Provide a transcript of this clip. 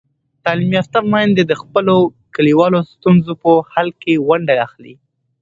تعلیم یافته میندې د خپلو کلیوالو ستونزو په حل کې ونډه اخلي.